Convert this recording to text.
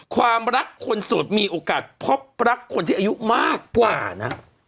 ความรักคนโสดมีโอกาสพบรักคนที่อายุมากกว่านะ